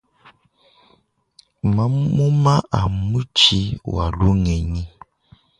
Mamuma a mutshi wa lugenyi.